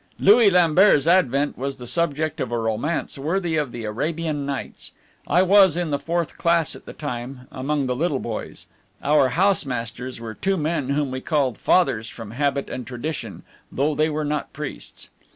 Louis Lambert's advent was the subject of a romance worthy of the Arabian Nights. I was in the fourth class at the time among the little boys. Our housemasters were two men whom we called Fathers from habit and tradition, though they were not priests.